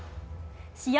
試合